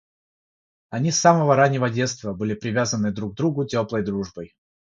Они с самого раннего детства были привязаны друг к другу теплой дружбой.